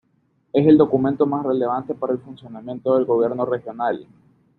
Es el documento más relevante para el funcionamiento del gobierno regional.